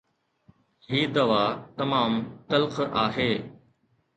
هي دوا تمام تلخ آهي